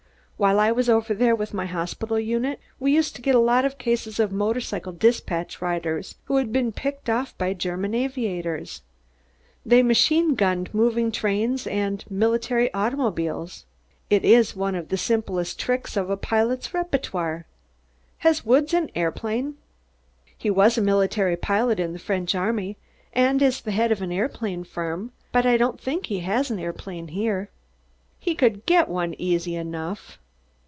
While I was over there with my hospital unit we used to get a lot of cases of motorcycle despatch riders who had been picked off by German aviators. They machine gunned moving trains and military automobiles. It is one of the simplest tricks of a pilot's repertoire. Has Woods an aeroplane?" "He was a military pilot in the French army and is the head of an aeroplane firm, but I don't think he has an aeroplane here." "He could get one easy enough."